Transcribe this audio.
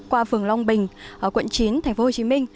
qua phường long bình quận chín tp hcm